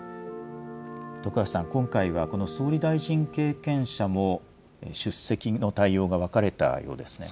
徳橋さん、今回はこの総理大臣経験者も出席の対応が分かれたようですね。